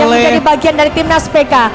yang menjadi bagian dari tim nas peka